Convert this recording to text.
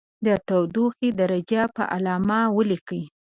د تودوخې درجه په علامه ولیکئ.